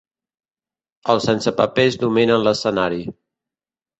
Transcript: Els sense papers dominen l'escenari.